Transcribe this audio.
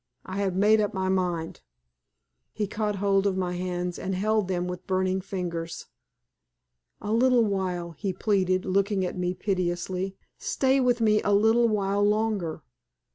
I have made up my mind." He caught hold of my hands and held them with burning fingers. "A little while," he pleaded, looking at me piteously. "Stay with me a little while longer.